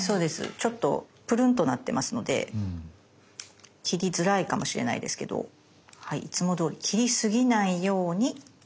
ちょっとプルンとなってますので切りづらいかもしれないですけどいつもどおり切りすぎないように。